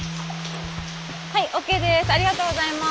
はいＯＫです。